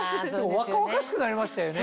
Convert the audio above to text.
若々しくなりましたよね。